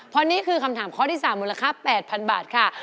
เพราะนี่คือคำถามข้อที่๓มูลค่า๘๐๐๐บาทค่ะ